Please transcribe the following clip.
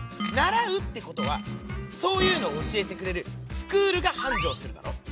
ならうってことはそういうのおしえてくれるスクールがはんじょうするだろ。